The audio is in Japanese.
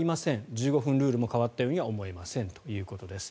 １５分ルールも変わったようには思えませんということです。